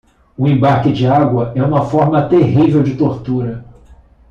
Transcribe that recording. O embarque de água é uma forma terrível de tortura.